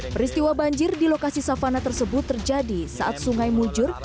peristiwa banjir di lokasi savana tersebut terjadi saat sungai mujur